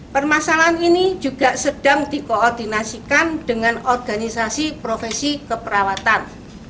permasalahan ini juga sedang dikoordinasikan dengan organisasi profesi keperawatan